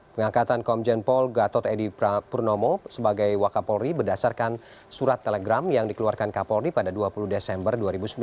pengangkatan komjen paul gatot edi purnomo sebagai wakapolri berdasarkan surat telegram yang dikeluarkan kapolri pada dua puluh desember dua ribu sembilan belas